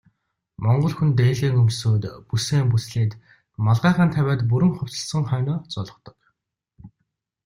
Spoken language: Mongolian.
Монгол хүн дээлээ өмсөөд, бүсээ бүслээд малгайгаа тавиад бүрэн хувцасласан хойноо золгодог.